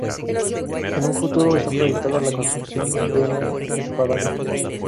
En un futuro está proyectada la construcción de una espadaña.